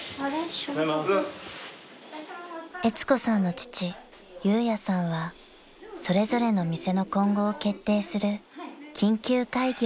［えつ子さんの父裕也さんはそれぞれの店の今後を決定する緊急会議を開きました］